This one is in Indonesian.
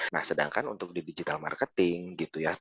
nah sedangkan untuk di digital marketing gitu ya